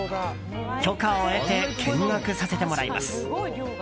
許可を得て見学させてもらいます。